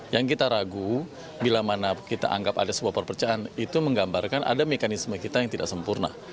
yang kita ragu bila mana kita anggap ada sebuah perpecahan itu menggambarkan ada mekanisme kita yang tidak sempurna